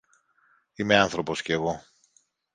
Είμαι άνθρωπος κι εγώ!